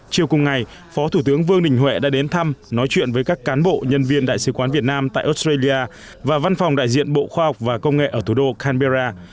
chiều cùng ngày phó thủ tướng vương đình huệ đã đến thăm nói chuyện với các cán bộ nhân viên đại sứ quán việt nam tại australia và văn phòng đại diện bộ khoa học và công nghệ ở thủ đô canberra